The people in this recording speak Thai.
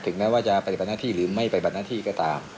ถึงแม้ว่าจะไปบัตรหน้าที่หรือไม่ไปบัตรหน้าที่ก็ตาม